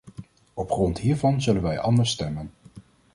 Op grond hiervan zullen wij anders stemmen.